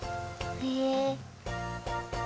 へえ。